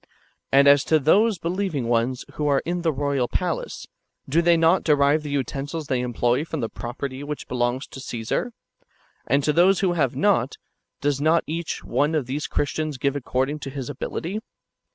And as to those believing ones who are in the royal palace, do they not derive the utensils they employ from the property which belongs to Csesar ; and to those who have not, does not each one of these [Christians] give according to his ability?